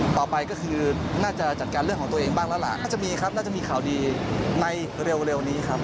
ต่อไปก็คือน่าจะจัดการเรื่องของตัวเองบ้างแล้วล่ะน่าจะมีครับน่าจะมีข่าวดีในเร็วนี้ครับ